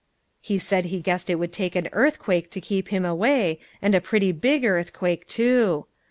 He said he guessed it would take an earthquake to keep him away, and a pretty big earthquake, too!...